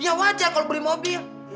ya wajar kalau beli mobil